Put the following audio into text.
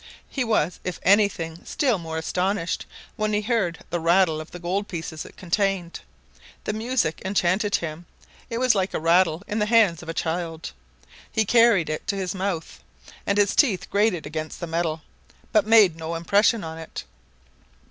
He was if anything still more astonished when he heard the rattle of the gold pieces it contained. The music enchanted him. It was like a rattle in the hands of a child. He carried it to his mouth, and his teeth grated against the metal, but made no impression on it.